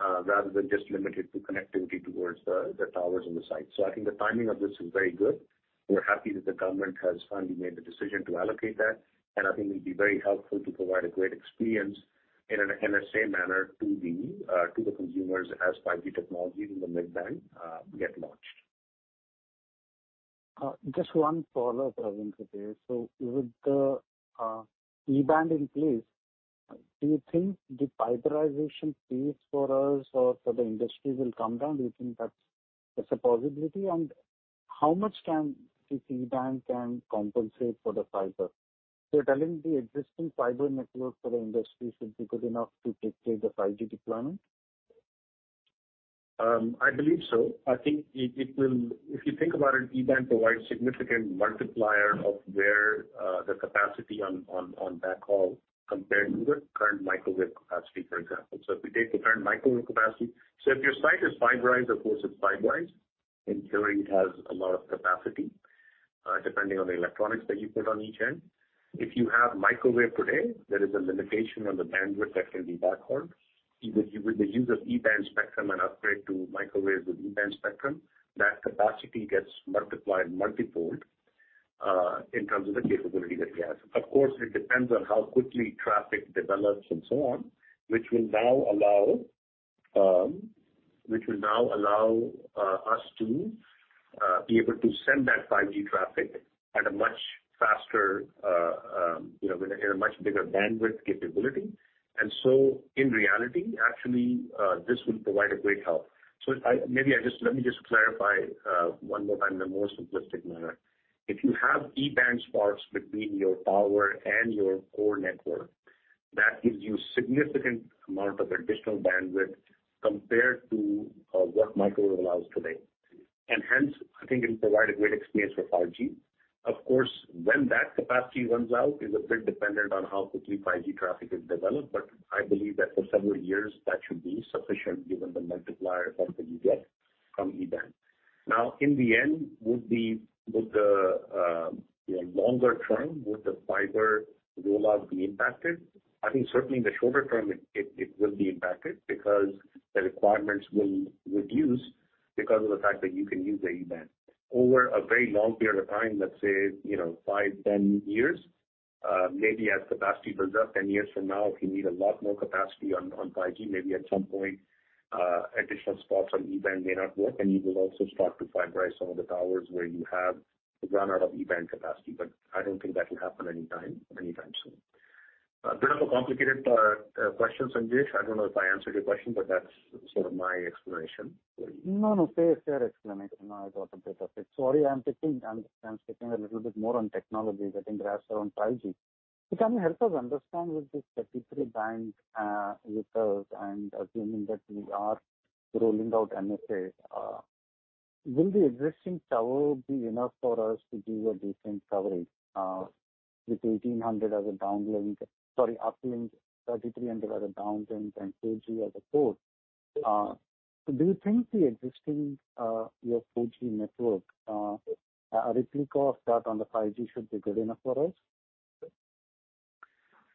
B: rather than just limited to connectivity towards the towers on the site. I think the timing of this is very good. We're happy that the government has finally made the decision to allocate that, and I think it'll be very helpful to provide a great experience in the same manner to the consumers as 5G technology in the mid-band get launched.
G: Just one follow-up, Ravinder, if there is. With the E-band in place, do you think the fiberization fees for us or for the industry will come down? Do you think that's a possibility? And how much can this E-band compensate for the fiber? The existing fiber network for the industry should be good enough to take care of the 5G deployment.
B: I believe so. I think it will. If you think about it, E-band provides significant multiplier of where the capacity on backhaul compared to the current microwave capacity, for example. If we take the current microwave capacity. If your site is fiberized, of course, it's fiberized, ensuring it has a lot of capacity, depending on the electronics that you put on each end. If you have microwave today, there is a limitation on the bandwidth that can be backhauled. With the use of E-band spectrum and upgrade to microwaves with E-band spectrum, that capacity gets multiplied multi-fold, in terms of the capability that it has. Of course, it depends on how quickly traffic develops and so on, which will now allow us to be able to send that 5G traffic at a much faster you know in a much bigger bandwidth capability. In reality, actually, this will provide a great help. Let me just clarify one more time in a more simplistic manner. If you have E-band spots between your tower and your core network, that gives you significant amount of additional bandwidth compared to what microwave allows today. Hence, I think it'll provide a great experience for 4G. Of course, when that capacity runs out is a bit dependent on how quickly 5G traffic is developed, but I believe that for several years, that should be sufficient given the multiplier effect that you get from E-band. Now, in the end, in the longer term, would the fiber rollout be impacted? I think certainly in the shorter term, it will be impacted because the requirements will reduce because of the fact that you can use the E-band. Over a very long period of time, let's say, five, 10 years, maybe as capacity builds up 10 years from now, if you need a lot more capacity on 5G, maybe at some point, additional spots on E-band may not work, and you will also start to fiberize some of the towers where you have run out of E-band capacity. I don't think that will happen anytime soon. A bit of a complicated question, Sanjesh. I don't know if I answered your question, but that's sort of my explanation.
G: No. Fair explanation. No, I got a bit of it. Sorry, I'm taking a little bit more on technology, getting grasp around 5G. Can you help us understand with this 3.3 GHz band with us and assuming that we are rolling out NSA, will the existing tower be enough for us to give a decent coverage with 1,800 as a downlink- sorry, uplink, 3,300 as a downlink and 4G as a core? Do you think the existing your 4G network, a replica of that on the 5G should be good enough for us?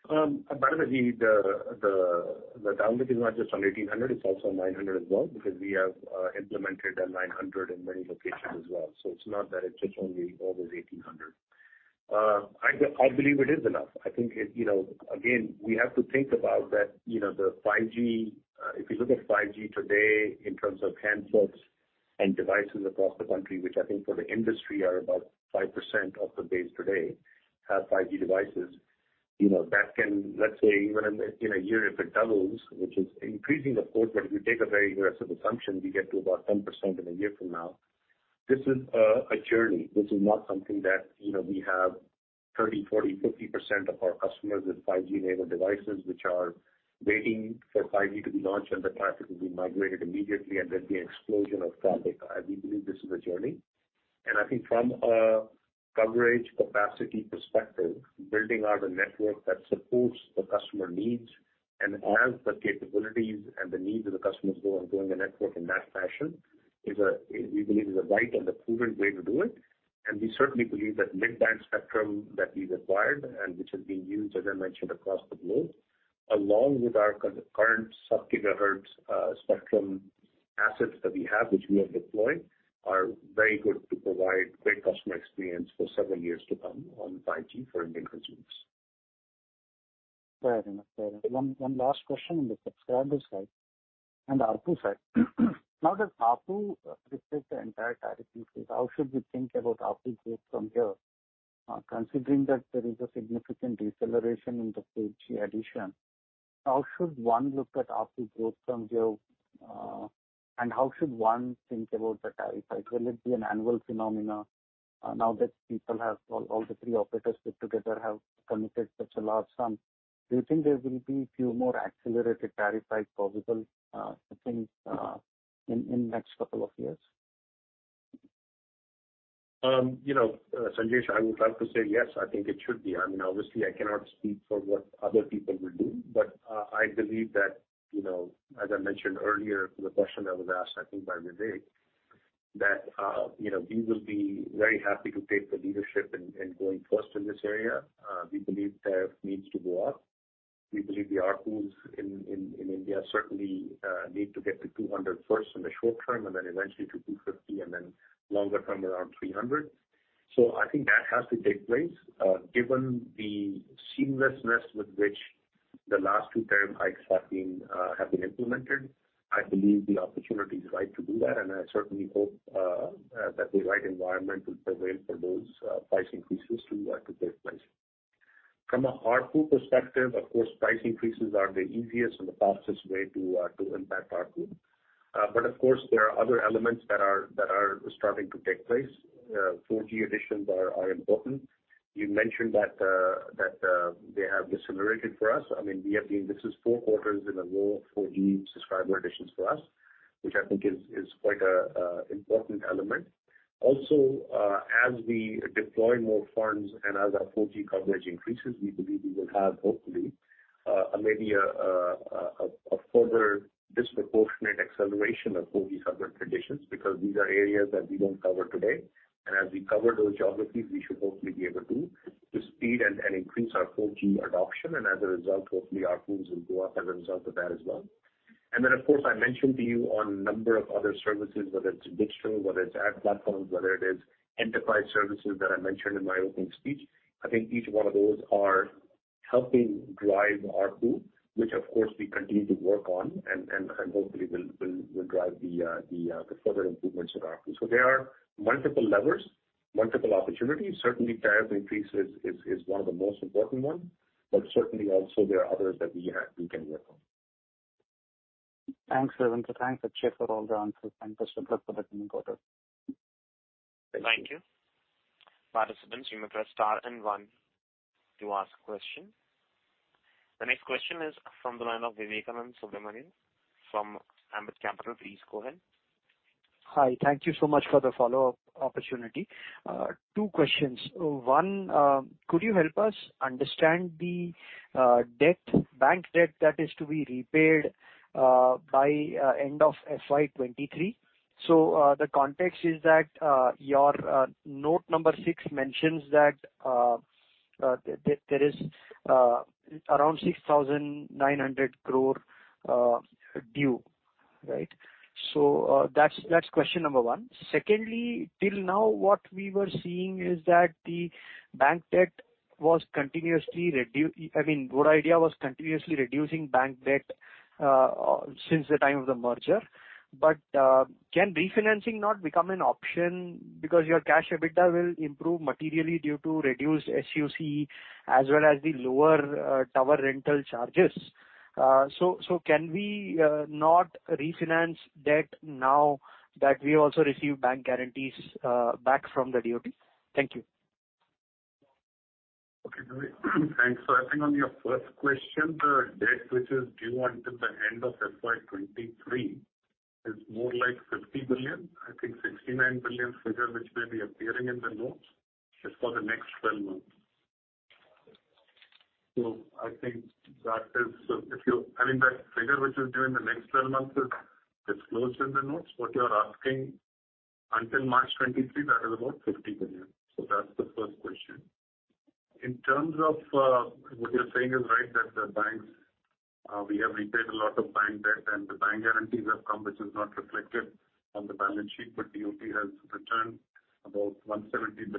B: By the way, the download is not just on 1800, it's also on 900 as well, because we have implemented a 900 in many locations as well. So it's not that it's just only over 1800. I believe it is enough. I think, you know, again, we have to think about that, you know, the 5G, if you look at 5G today in terms of handsets and devices across the country, which I think for the industry are about 5% of the base today have 5G devices. You know, that can, let's say, even in a year if it doubles, which is increasing of course, but if you take a very aggressive assumption, we get to about 10% in a year from now. This is a journey. This is not something that, you know, we have 30, 40, 50% of our customers with 5G-enabled devices which are waiting for 5G to be launched, and the traffic will be migrated immediately, and there'll be an explosion of traffic. We believe this is a journey. I think from a coverage capacity perspective, building out a network that supports the customer needs and has the capabilities and the needs of the customers who are growing the network in that fashion is a, we believe, is a right and a proven way to do it. We certainly believe that mid-band spectrum that we've acquired and which is being used, as I mentioned, across the globe, along with our current sub-gigahertz spectrum assets that we have, which we have deployed, are very good to provide great customer experience for several years to come on 5G for Indian consumers.
G: Fair enough. One last question on the subscriber side and ARPU side. Now that ARPU reflects the entire tariff increase, how should we think about ARPU growth from here, considering that there is a significant deceleration in the 4G addition? How should one look at ARPU growth from here, and how should one think about the tariff hike? Will it be an annual phenomenon, now that all the three operators put together have committed such a large sum, do you think there will be few more accelerated tariff hikes possible, I think, in next couple of years?
B: You know, Sanjesh, I would love to say yes, I think it should be. I mean, obviously, I cannot speak for what other people will do. I believe that, you know, as I mentioned earlier to the question that was asked, I think, by Vivek, that, you know, we will be very happy to take the leadership in going first in this area. We believe tariff needs to go up. We believe the ARPUs in India certainly need to get to 200 first in the short term and then eventually to 250 and then longer term around 300. I think that has to take place. Given the seamlessness with which the last two tariff hikes have been implemented, I believe the opportunity is right to do that, and I certainly hope that the right environment will prevail for those price increases to take place. From a ARPU perspective, of course, price increases are the easiest and the fastest way to impact ARPU. Of course, there are other elements that are starting to take place. 4G additions are important. You mentioned that they have decelerated for us. I mean, this is four quarters in a row, 4G subscriber additions for us, which I think is quite an important element. Also, as we deploy more farms and as our 4G coverage increases, we believe we will have hopefully a further disproportionate acceleration of 4G subscriber additions. Because these are areas that we don't cover today, and as we cover those geographies, we should hopefully be able to speed and increase our 4G adoption. As a result, hopefully ARPUs will go up as a result of that as well. Then, of course, I mentioned to you a number of other services, whether it's digital, whether it's ad platforms, whether it is enterprise services that I mentioned in my opening speech. I think each one of those are helping drive ARPU, which of course we continue to work on and hopefully will drive the further improvements in ARPU. There are multiple levers, multiple opportunities. Certainly, tariff increase is one of the most important one, but certainly also there are others that we have, we can work on.
G: Thanks, Ravinder. Thanks, Akshaya, for all the answers and best of luck for the coming quarter.
B: Thank you.
A: Participants, you may press star and one to ask question. The next question is from the line of Vivekanand Subbaraman from Ambit Capital. Please go ahead.
D: Hi. Thank you so much for the follow-up opportunity. Two questions. One, could you help us understand the debt, bank debt that is to be repaid by end of FY 2023? The context is that your note number six mentions that there is around 6,900 crore due, right? That's question number one. Secondly, till now what we were seeing is that the bank debt was continuously reducing, I mean, Vodafone Idea was continuously reducing bank debt since the time of the merger. Can refinancing not become an option because your cash EBITDA will improve materially due to reduced SUC as well as the lower tower rental charges. Can we not refinance debt now that we also receive bank guarantees back from the DoT? Thank you.
C: Okay. Thanks. I think on your first question, the debt which is due until the end of FY 2023 is more like 50 billion. I think 69 billion figure which may be appearing in the notes is for the next twelve months. I think that is, I mean, that figure which is due in the next twelve months is disclosed in the notes. What you are asking until March 2023, that is about 50 billion. That's the first question. In terms of, what you're saying is right, that the banks, we have repaid a lot of bank debt and the bank guarantees have come, which is not reflected on the balance sheet, but DoT has returned about 170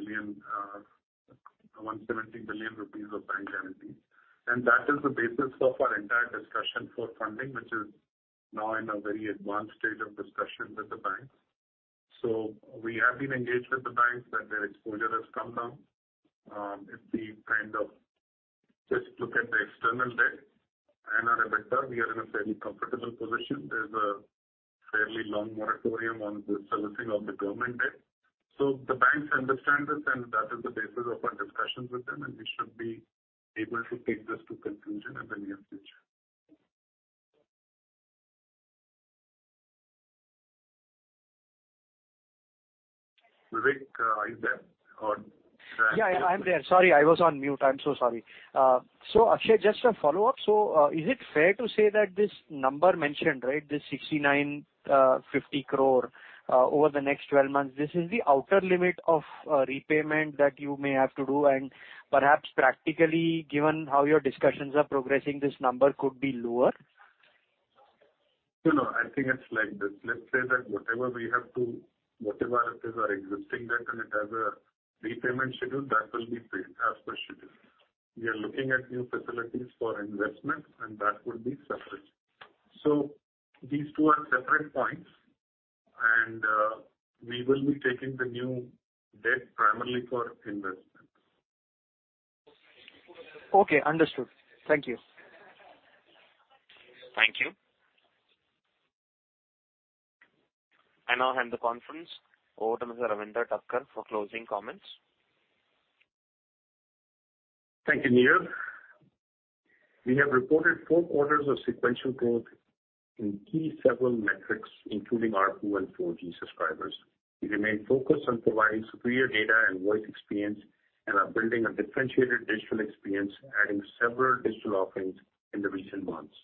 C: billion rupees of bank guarantees. That is the basis of our entire discussion for funding, which is now in a very advanced stage of discussion with the banks. We have been engaged with the banks that their exposure has come down. If we kind of just look at the external debt and our investor, we are in a fairly comfortable position. There's a fairly long moratorium on the servicing of the government debt. The banks understand this, and that is the basis of our discussions with them, and we should be able to take this to conclusion in the near future. Vivek, are you there or...
D: Yeah, I am there. Sorry, I was on mute. I'm so sorry. Akshaya, just a follow-up. Is it fair to say that this number mentioned, right, this 6,950 crore over the next 12 months, this is the outer limit of repayment that you may have to do? Perhaps practically, given how your discussions are progressing, this number could be lower.
B: No, no, I think it's like this. Let's say that whatever we have to, whatever it is our existing debt and it has a repayment schedule that will be paid as per schedule. We are looking at new facilities for investment and that would be separate. These two are separate points and we will be taking the new debt primarily for investment.
D: Okay, understood. Thank you.
A: Thank you. I now hand the conference over to Mr. Ravinder Takkar for closing comments.
B: Thank you, Neerav. We have reported four quarters of sequential growth in several key metrics, including ARPU and 4G subscribers. We remain focused on providing superior data and voice experience and are building a differentiated digital experience, adding several digital offerings in the recent months.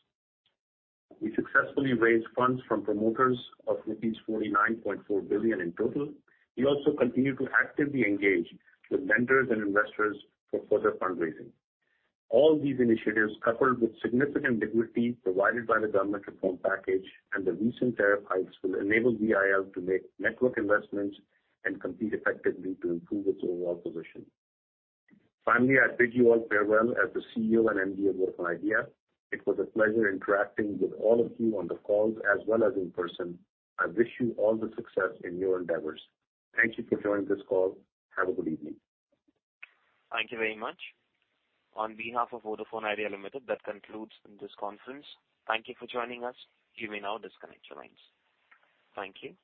B: We successfully raised funds from promoters of 49.4 billion in total. We also continue to actively engage with lenders and investors for further fundraising. All these initiatives, coupled with significant liquidity provided by the government reform package and the recent tariff hikes, will enable VIL to make network investments and compete effectively to improve its overall position. Finally, I bid you all farewell as the CEO and MD of Vodafone Idea. It was a pleasure interacting with all of you on the calls as well as in person. I wish you all the success in your endeavors. Thank you for joining this call. Have a good evening.
A: Thank you very much. On behalf of Vodafone Idea Limited, that concludes this conference. Thank you for joining us. You may now disconnect your lines. Thank you.